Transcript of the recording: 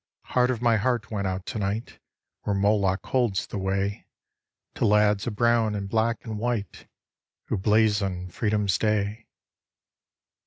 Heart of my heart went out tonight, Where Moloch holds the way, To lads of brown and black and white Who blazon Freedom's day.